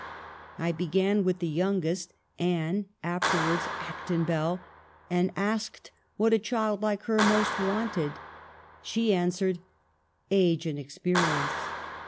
" I began with the youngest (Anne, afterwards Acton Bell), and asked what a child like her most wanted ; she answered, ' Age and expe rience.'